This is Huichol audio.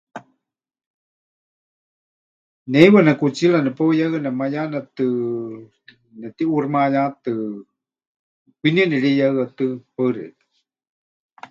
Ne heiwa nekutsiira nepeuyéhɨa nemayanetɨ, netiʼuuximayátɨ, kwinie nereiyehɨatɨ́. Paɨ xeikɨ́a.